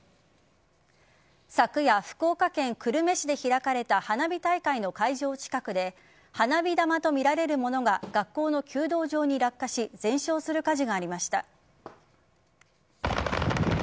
昨夜、福岡県久留米市で開かれた花火大会の会場近くで花火玉とみられるものが学校の弓道場に落下し全焼する火事がありました。